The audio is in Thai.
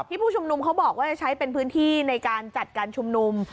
ผู้ชุมนุมเขาบอกว่าจะใช้เป็นพื้นที่ในการจัดการชุมนุม